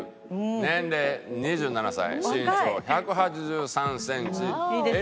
「年齢２７歳身長１８３センチ」いいですね。